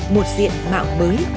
một diện mạo mới